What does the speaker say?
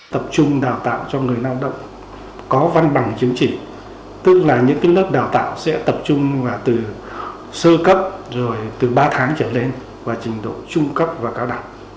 tập trung đào tạo cho người lao động có văn bằng chứng chỉ tức là những lớp đào tạo sẽ tập trung từ sơ cấp rồi từ ba tháng trở lên và trình độ trung cấp và cao đẳng